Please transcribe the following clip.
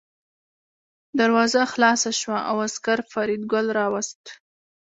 دروازه خلاصه شوه او عسکر فریدګل راوست